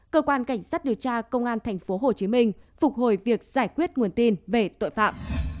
cơ quan cảnh sát điều tra công an tp hcm phục hồi việc giải quyết nguồn tin về tội phạm